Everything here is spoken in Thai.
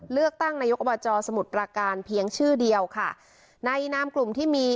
เลือกตั้งนายกอบจสมุทรประการเพียงชื่อเดียวค่ะในนามกลุ่มที่มี